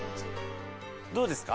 どうですか？